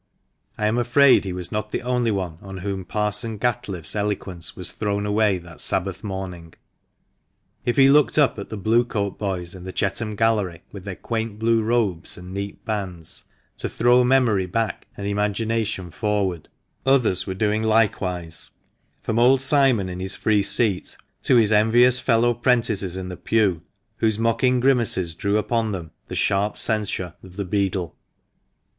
I am afraid he was not the only one on whom Parson Gatliffe's eloquence was thrown away that Sabbath morning. If he looked up at the Blue coat boys in the Chetham Gallery with their quaint blue robes and neat bands, to throw memory back and imagination forward, others were doing likewise, from old Simon in his free seat to his envious fellow 'prentices in the pew, whose mocking grimaces drew upon them the sharp censure of the beadle.